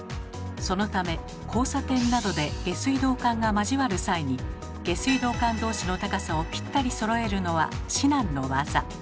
そのため交差点などで下水道管が交わる際に下水道管同士の高さをピッタリそろえるのは至難の業。